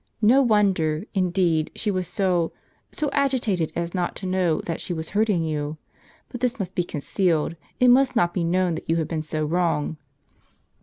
No wonder, indeed, she was so — so agi tated as not to know that she was hurting you. But this must be concealed ; it must not be known that you have been so wrong.